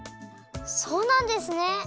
そうなんですね！